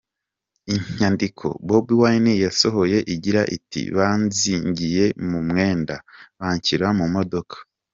Inyandiko Bob Wine yasohoye igira iti “Banzingiye mu mwenda, banshyira mu modoka.